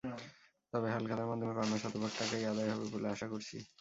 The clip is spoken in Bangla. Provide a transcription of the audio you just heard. তবে হালখাতার মাধ্যমে পাওনা শতভাগ টাকাই আদায় হবে বলে আশা করছি।